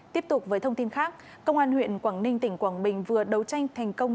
tiếp tục với thông tin khác công an huyện quảng ninh tỉnh quảng bình vừa đấu tranh thành công